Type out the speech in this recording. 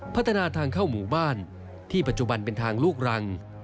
พัฒนาทางเข้าหมู่บ้านที่ปัจจุบันเป็นทางลูกรัง